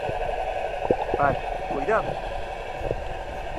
Para. Coidado!